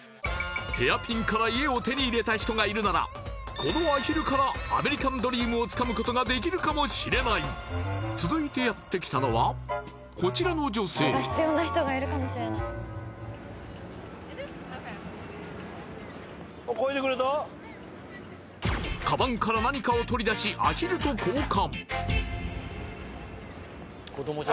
ヘアピンから家を手に入れた人がいるならこのアヒルからアメリカンドリームをつかむことができるかもしれない続いてやってきたのはこちらの女性カバンから何かを取り出しアヒルと交換